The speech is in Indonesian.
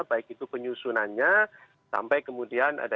baik itu penyusunannya sampai kemudian ada